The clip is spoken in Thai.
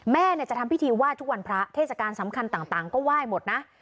แม่จะทำพิธีไหว้ทุกวันพระเทศกาลสำคัญต่างก็ไหว้หมดนะ